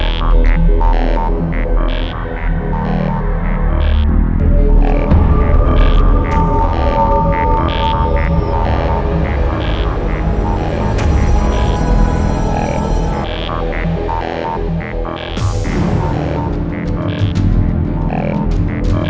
sampai jumpa di video selanjutnya